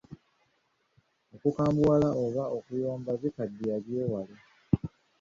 Okukambuwala oba okuyomba bikaddiya byewale.